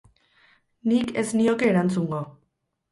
Nik ez nioke erantzungo